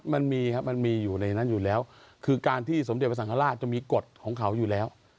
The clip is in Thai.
มันมีครับมันมีอยู่ในนั้นอยู่แล้วคือการที่สมเด็จพระสังฆราชจะมีกฎของเขาอยู่แล้ว